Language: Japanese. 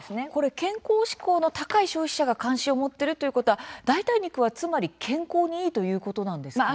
健康志向の高い消費者が関心を持っているということは代替肉はつまり健康にいいということなんですか。